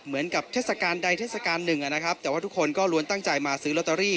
เหมือนกับเทศกาลใดเทศกาลหนึ่งนะครับแต่ว่าทุกคนก็ล้วนตั้งใจมาซื้อลอตเตอรี่